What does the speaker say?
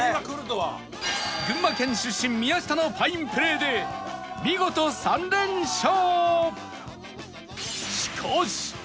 群馬県出身宮下のファインプレーで見事３連勝！